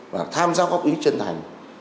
và tham gia góp ý chân thành